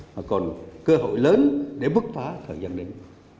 mà còn cơ hội lớn để bức phá thời gian đến